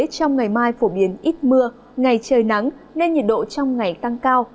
trong ngày mai phổ biến ít mưa ngày trời nắng nên nhiệt độ trong ngày tăng cao